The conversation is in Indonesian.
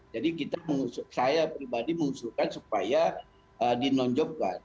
jadi saya pribadi mengusulkan supaya di nonjokkan